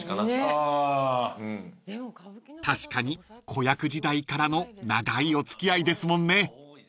［確かに子役時代からの長いお付き合いですもんね］